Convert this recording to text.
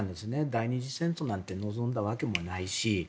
第２次戦争なんて望んでいたわけでもないし。